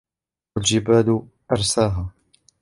والجبال أرساها